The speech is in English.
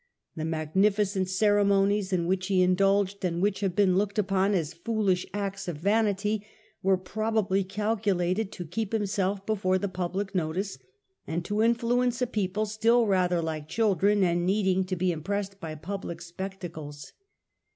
The magnificent ceremonies in which he indulged and which have been looked upon as foolish acts of vanity, were probably calculated to keep himself before the public notice and to influence a people still rather like children and needing to be impressed by public spectacles.